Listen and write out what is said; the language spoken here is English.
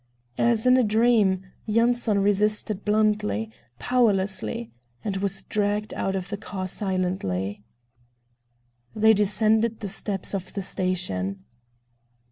As in a dream, Yanson resisted bluntly, powerlessly, and was dragged out of the car silently. They descended the steps of the station.